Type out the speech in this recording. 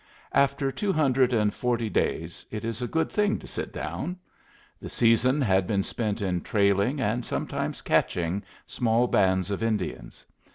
After two hundred and forty days it is a good thing to sit down. The season had been spent in trailing, and sometimes catching, small bands of Indians.